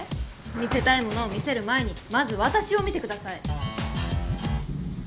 見せたいものを見せる前にまず私を見て下さい。